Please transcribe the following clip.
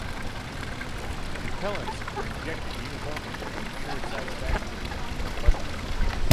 The propellants were injected uniformly to ensure satisfactory combustion.